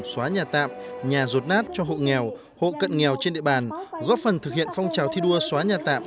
xóa nhà tạm nhà rột nát cho hộ nghèo hộ cận nghèo trên địa bàn góp phần thực hiện phong trào thi đua xóa nhà tạm